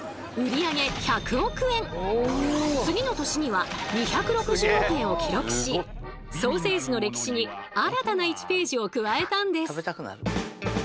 次の年には２６０億円を記録しソーセージの歴史に新たな１ページを加えたんです。